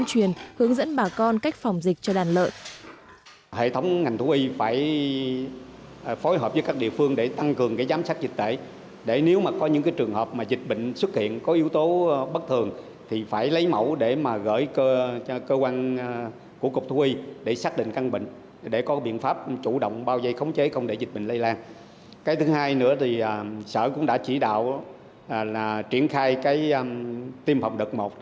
đồng nai đang đẩy mạnh công tác tuyên truyền hướng dẫn bà con cách phòng dịch cho đàn lợn